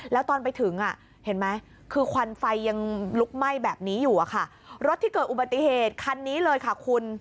แล้วตอนไปถึงอ่ะเห็นไหมคือควันไฟยังลุกไหม้แบบนี้อยู่อะค่ะรถที่เกิดอุบัติเหตุคันนี้เลยค่ะคุณ